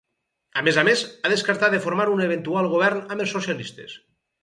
A més a més, ha descartat de formar un eventual govern amb els socialistes.